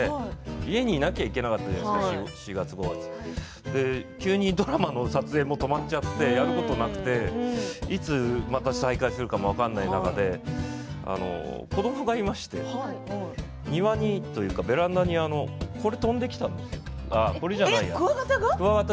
家にいなきゃいけなかったじゃないですか、４月５月急にドラマの撮影も止まっちゃってやることがなくていつ再開するかも分からなくて子どもがいましてベランダにクワガタが？